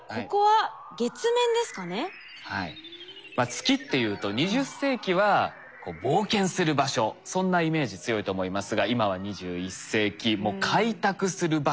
月っていうと２０世紀は冒険する場所そんなイメージ強いと思いますが今は２１世紀もう開拓する場所となってきました。